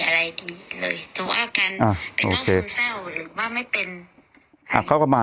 การก็สู้มาตลอดกันก็ไม่ยอมแพ้ไม่ยอมแพ้ไม่ยอมแพ้